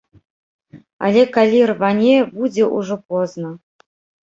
Але калі рване, будзе ўжо позна.